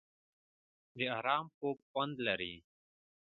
د ارام خوب خوند لري.